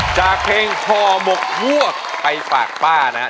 จากเพลงพ่อหมกววกไปฝากป้านะฮะ